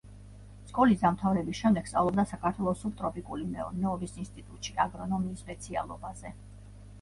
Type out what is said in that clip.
სკოლის დამთავრების შემდეგ სწავლობდა საქართველოს სუბტროპიკული მეურნეობის ინსტიტუტში აგრონომის სპეციალობაზე.